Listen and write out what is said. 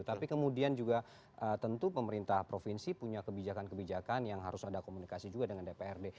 tapi kemudian juga tentu pemerintah provinsi punya kebijakan kebijakan yang harus ada komunikasi juga dengan dprd